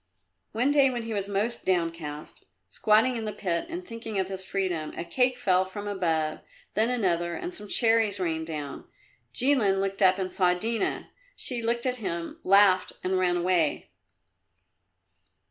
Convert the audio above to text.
One day when he was most downcast, squatting in the pit and thinking of his freedom, a cake fell from above, then another, and some cherries rained down. Jilin looked up and saw Dina. She looked at him, laughed and ran away.